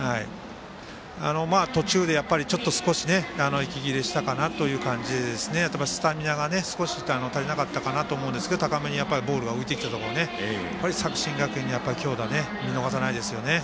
途中でやっぱり少し息切れしたかなという感じでスタミナが少し足りなかったかなと思うんですけど高めにボールが浮いてきたところ作新学院は強打見逃さないですよね。